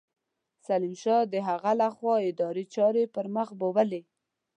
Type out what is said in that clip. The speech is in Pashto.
سلیم شاه د هغه له خوا اداري چارې پرمخ بېولې.